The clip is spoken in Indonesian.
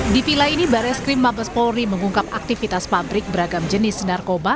di pilai ini barreskrim mabes polri mengungkap aktivitas pabrik beragam jenis narkoba